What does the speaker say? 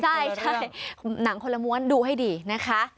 ใช่หนังคนละม้วนดูให้ดีนะคะ